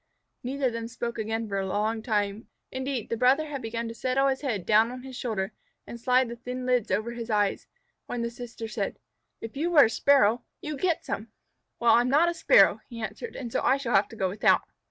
Neither of them spoke again for a long time. Indeed, the brother had begun to settle his head down on his shoulders and slide the thin lids over his eyes, when his sister said, "If you were a Sparrow, you'd get some." "Well, I'm not a Sparrow," he answered, "and so I shall have to go without."